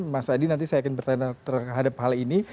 mas adi nanti saya akan bertanya terhadap hal ini